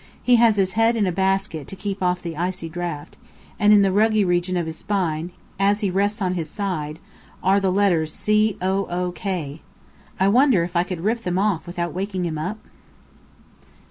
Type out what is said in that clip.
He has his head in a basket, to keep off the icy draught; and in the ruggy region of his spine, as he rests on his side, are the letters C O O K. I wonder if I could rip them off without waking him up?